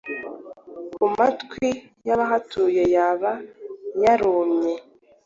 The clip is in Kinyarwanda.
Ku matwi y'abahatuye Yaba yarumye,